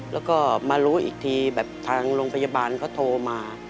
แล้วก็มารู้อีกทีแบบทางโรงพยาบาลเขาโทรมา